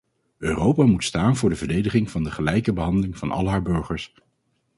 Europa moet staan voor de verdediging van de gelijke behandeling van al haar burgers.